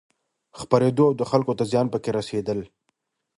خپرېدو او دخلکو ته زيان پکې رسېدل